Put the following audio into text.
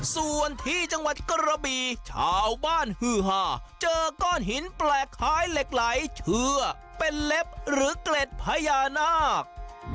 ส่วนที่จังหวัดกระบีชาวบ้านฮือหาเจอก้อนหินแปลกคล้ายเหล็กไหลเชื่อเป็นเล็บหรือเกล็ดพญานาค